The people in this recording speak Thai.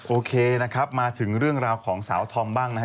โอเคนะครับมาถึงเรื่องราวของสาวธอมบ้างนะฮะ